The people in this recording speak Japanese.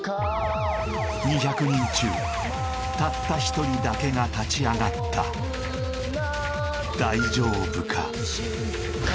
２００人中たった１人だけが立ち上がった大丈夫か？